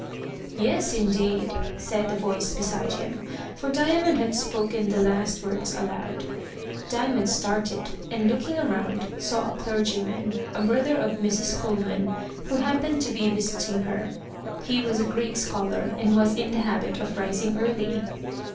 "Yes, indeed," said a voice beside him, for Diamond had spoken the last words aloud. Diamond started, and looking around saw a clergyman, a brother of Mrs. Coleman, who happened to be visiting her. He was a great scholar, and was in the habit of rising early.